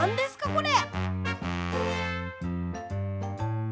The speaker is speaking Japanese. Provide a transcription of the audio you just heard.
これ。